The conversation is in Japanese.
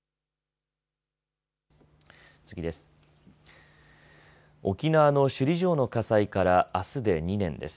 次です。